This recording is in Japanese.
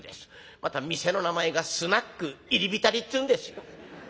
また店の名前が『スナック入り浸り』っつうんですよ」。